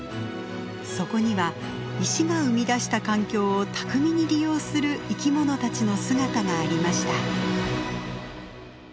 そこには石が生み出した環境を巧みに利用する生き物たちの姿がありました。